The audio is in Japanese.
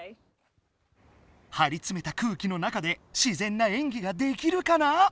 はりつめた空気の中でしぜんな演技ができるかな？